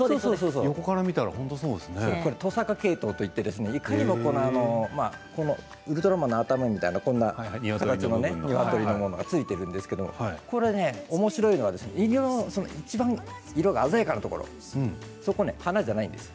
トサカケイトウと言っていかにもウルトラマンの頭みたいなにわとりのものが付いているんですけれどもおもしろいのはいちばん色が鮮やかなところそこ、花じゃないんですよ。